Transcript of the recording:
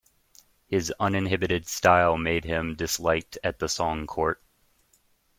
His uninhibited style made him disliked at the Song court.